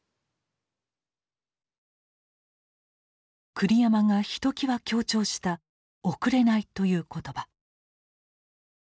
栗山がひときわ強調した「遅れない」という言葉。